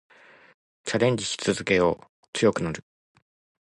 チャレンジし続けよう。強くなる。